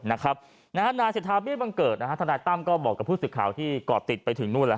นาศิษฐาเบี้ยบังเกิดนาศิษฐาตำก็บอกกับผู้สื่อข่าวที่กอบติดไปถึงนู่น